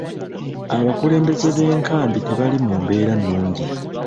Abakulembeze b'enkambi tebali mu mbeera nnungi.